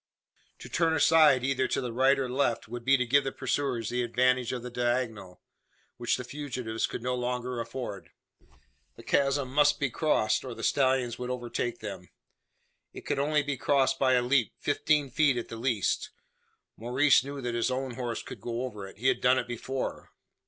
To turn aside, either to the right or left, would be to give the pursuers the advantage of the diagonal; which the fugitives could no longer afford. The chasm must be crossed, or the stallions would overtake them. It could only be crossed by a leap fifteen feet at the least. Maurice knew that his own horse could go over it he had done it before.